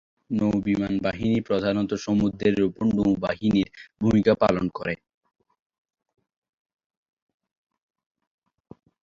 নৌ বিমানবাহিনী প্রধানত সমুদ্রের উপরে নৌবাহিনীর ভূমিকা পালন করে।